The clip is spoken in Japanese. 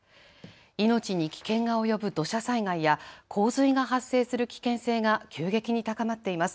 命に危険が及ぶ土砂災害や洪水が発生する危険性が急激に高まっています。